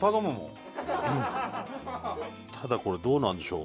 ただこれどうなんでしょう？